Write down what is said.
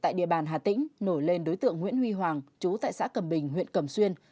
tại địa bàn hà tĩnh nổi lên đối tượng nguyễn huy hoàng chú tại xã cầm bình huyện cầm xuyên